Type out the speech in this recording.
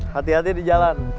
hati hati di jalan